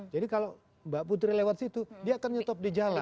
kalau mbak putri lewat situ dia akan nyetop di jalan